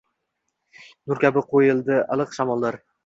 Nur kabi qo’yildi iliq shamollar